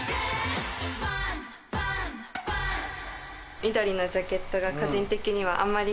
緑のジャケットが個人的にはあ